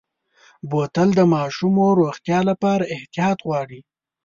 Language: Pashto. بوتل د ماشومو روغتیا لپاره احتیاط غواړي.